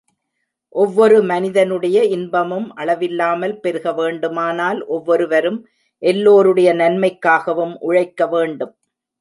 ஒவ்வொரு மனிதனுடைய இன்பமும் அளவில்லாமல் பெருக வேண்டுமானால், ஒவ்வொருவரும் எல்லோருடைய நன்மைக்காகவும் உழைக்க வேண்டும்.